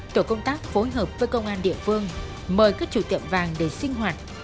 tổ công tác phối hợp với công an địa phương mời các chủ tiệm vàng để sinh hoạt